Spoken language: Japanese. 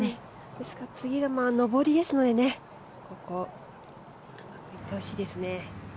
ですが次が上りですので頑張っていってほしいですね。